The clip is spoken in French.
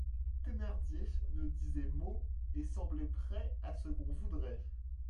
Thénardier ne disait mot et semblait prêt à ce qu’on voudrait.